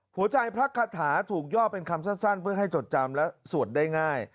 พระคาถาถูกย่อเป็นคำสั้นเพื่อให้จดจำและสวดได้ง่าย